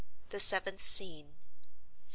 THE SEVENTH SCENE. ST.